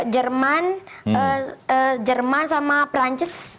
jerman jerman sama prancis